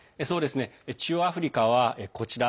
中央アフリカはこちら。